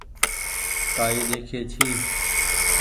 ڪآئي ڏيکي ڇي ۔